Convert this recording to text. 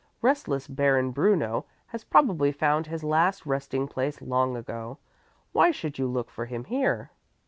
Restless Baron Bruno has probably found his last resting place long ago. Why should you look for him here?"